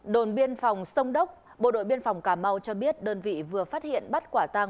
đồn biên phòng sông đốc bộ đội biên phòng cà mau cho biết đơn vị vừa phát hiện bắt quả tăng